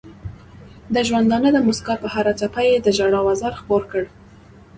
د ژوندانه د مسکا پر هره څپه یې د ژړا وزر خپور کړ.